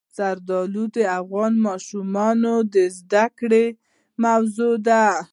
زردالو د افغان ماشومانو د زده کړې موضوع ده.